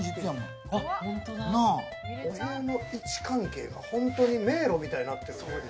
お部屋の位置関係が本当に迷路みたいになってるね。